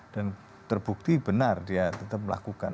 dan terbukti benar dia tetap melakukan